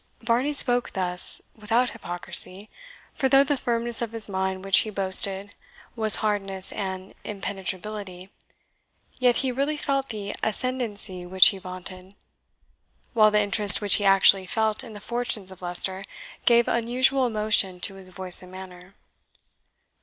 Varney spoke thus without hypocrisy, for though the firmness of mind which he boasted was hardness and impenetrability, yet he really felt the ascendency which he vaunted; while the interest which he actually felt in the fortunes of Leicester gave unusual emotion to his voice and manner.